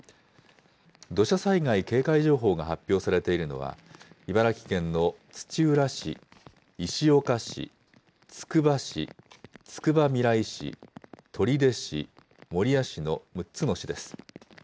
土砂災害警戒情報が発表されているのは茨城県の土浦市、石岡市、つくば市、つくばみらい市、取手市、守谷市の６つの市です。